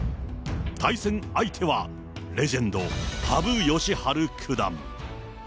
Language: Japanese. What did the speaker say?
対戦相手は、レジェンド、羽生善治九段。